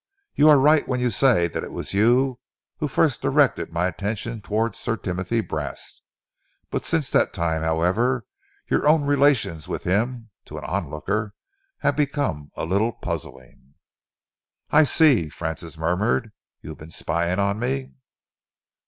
You are right when you say that it was you who first directed my attention towards Sir Timothy Brast. Since that time, however, your own relations with him, to an onlooker, have become a little puzzling." "I see," Francis murmured. "You've been spying on me?"